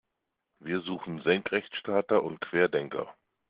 Wir suchen Senkrechtstarter und Querdenker.